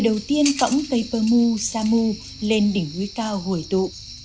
nhiên tổng cây pơ mưu sa mưu lên đỉnh quý cao hồi tụ